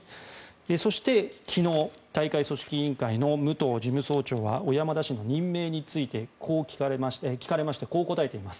そして、昨日大会組織委員会の武藤事務総長は小山田氏の任命についてこう聞かれましてこう答えています。